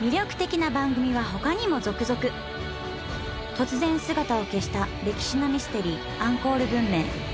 突然姿を消した歴史のミステリーアンコール文明。